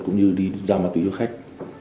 cũng như đi giao ma túy cho khách